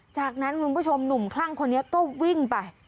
จากนั้นคุณผู้ชมหนุ่มคลั่งคนนี้ก็วิ่งไป